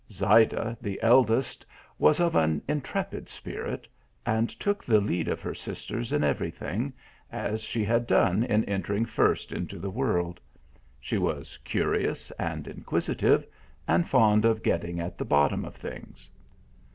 Zayda, the eldest, was of an intrepid spirit, and took the lead of her sisters in every thing, as she THREE BEAUTIFUL PRINCESSES. 135 had done in entering first into the world. She was curious and inquisitive, and fond of getting at the bottom of things.